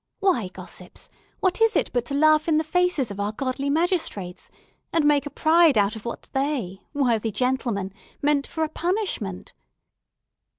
Why, gossips, what is it but to laugh in the faces of our godly magistrates, and make a pride out of what they, worthy gentlemen, meant for a punishment?"